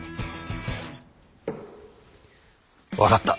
分かった。